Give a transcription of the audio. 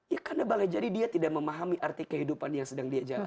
ya karena boleh jadi dia tidak memahami arti kehidupan yang sedang dia jalani